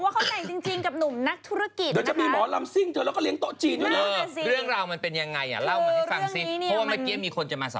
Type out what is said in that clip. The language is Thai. พอมดดามเขาพยายามหาขอ